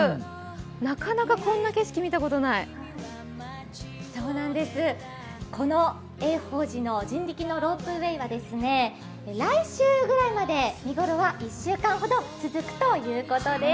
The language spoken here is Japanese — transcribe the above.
なかなかこんな景色、見たことないこの永寶寺の人力のロープウエーは来週ぐらいまで見頃は１週間ほど続くということです。